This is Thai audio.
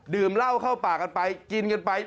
เหล้าเข้าปากกันไปกินกันไป